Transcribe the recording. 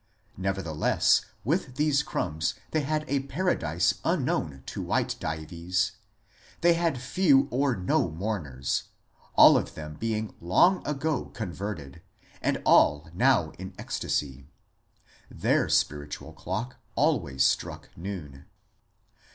Nevertheless with these crumbs they had a paradise imknown to white Dives ; they had few or no mourners, all of them being long ago ^* converted," and all now in ecstasy. Their spiritual clock always struck noon.